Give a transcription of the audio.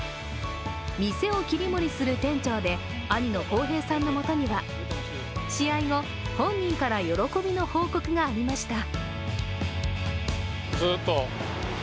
店を切り盛りする店長で兄の晃平さんのもとには試合後、本人から喜びの報告がありました。